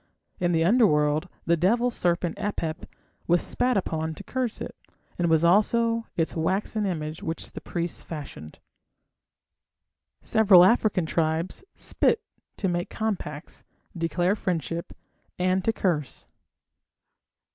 In the Underworld the devil serpent Apep was spat upon to curse it, as was also its waxen image which the priests fashioned. Several African tribes spit to make compacts, declare friendship, and to curse.